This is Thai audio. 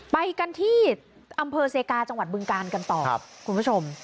ไปกันที่อำเภอเซกาจังหวัดบึงกาลกันต่อคุณผู้ชม